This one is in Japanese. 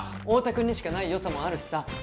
オオタ君にしかないよさもあるしさ。